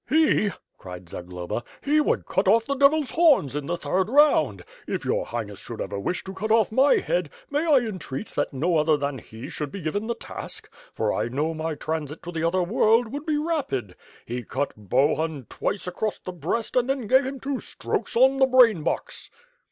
"He!" cried Zagloba, "he would cut off the devil's horns in the third round. If your Highness should ever wish to cut off my head, may I entreat that no other than he should be given the task, for I know my transit to the other world would be rapid. He cut Bohun twice across the breast and then gave him two strokes on the brain box."